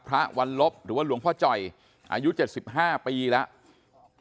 พระวันลบหรือว่าหลวงพ่อจ่อยอายุ๗๕ปีแล้ว